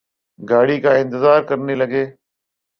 گاڑی کا انتظار کرنے لگے